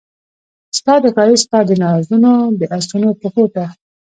ستا د ښایست ستا دنازونو د اسونو پښو ته